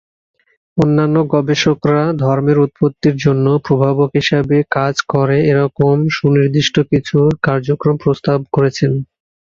অন্যন্য গবেষকরা ধর্মের উৎপত্তির জন্য প্রভাবক হিসেবে কাজ করে এরকম সুনির্দিষ্ট কিছু কার্যক্রম প্রস্তাব করেছেন।